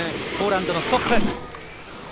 ポーランドのストッフ。